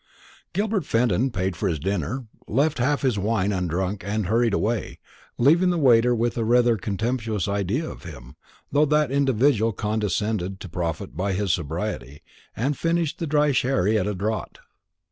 Gilbert Fenton paid for his dinner, left half his wine undrunk, and hurried away; leaving the waiter with rather a contemptuous idea of him, though that individual condescended to profit by his sobriety, and finished the dry sherry at a draught.